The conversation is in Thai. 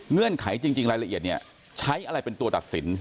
เงืนไขจริงรายละเอียดเนี่ยใช้อะไรเป็นตัวตัดสิน